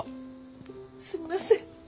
すみません。